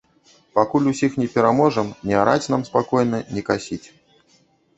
Пакуль усіх не пераможам, не араць нам спакойна, не касіць.